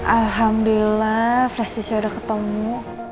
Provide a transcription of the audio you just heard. alhamdulillah flash disknya udah ketemu